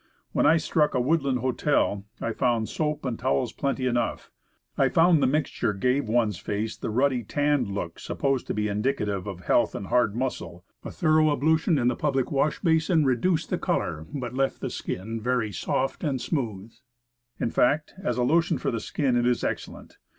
When I struck a wood land hotel, X found soap and towels plenty enough. Beware the Black Fly. $ I found the mixture gave one's face the ruddy tanned look supposed to be indicative of health and hard muscle. A thorough ablution in the public wash basin reduced the color, but left the skin very soft and smooth; in fact, as a lotion for the skin it is ex cellent.